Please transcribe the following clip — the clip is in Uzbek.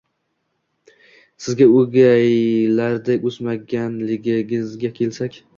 Sizning o'gaylarday o'smaganligingizga kelsak